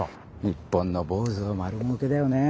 日本の坊主は丸もうけだよね。